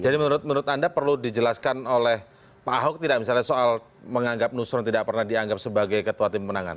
jadi menurut anda perlu dijelaskan oleh pak ahok tidak misalnya soal menganggap nusron tidak pernah dianggap sebagai ketua tim pemenangan